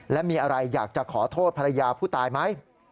และมีอะไรอยากจะขอโทษภรรยาผู้ตายไหม